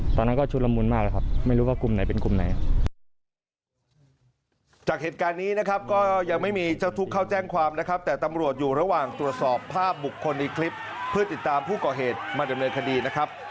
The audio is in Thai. ตอนนั้นก็ชุดละมุนมากแล้วครับไม่รู้ว่ากลุ่มไหนเป็นกลุ่มไหน